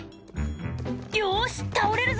「よし倒れるぞ」